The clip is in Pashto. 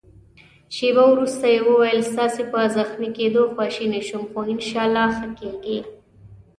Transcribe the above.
شېبه وروسته يې وویل: ستاسي په زخمي کېدو خواشینی شوم، خو انشاالله ښه کېږې.